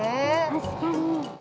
確かに。